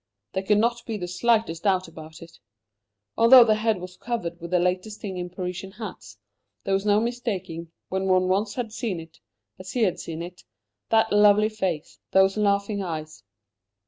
There could not be the slightest doubt about it. Although the head was covered with the latest thing in Parisian hats, there was no mistaking, when one once had seen it as he had seen it that lovely face, those laughing eyes.